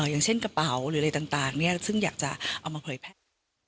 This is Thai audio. อย่างเช่นกระเป๋าหรืออะไรต่างซึ่งอยากจะเอามาเผยแพร่